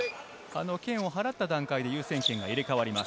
剣をはらった段階で優先権が入れ替わります。